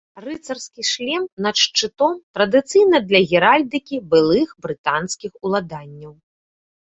Рыцарскі шлем над шчытом традыцыйны для геральдыкі былых брытанскіх уладанняў.